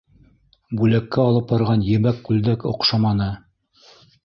Бүләккә алып барған ебәк күлдәк оҡшаманы.